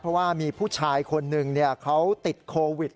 เพราะว่ามีผู้ชายคนหนึ่งเขาติดโควิด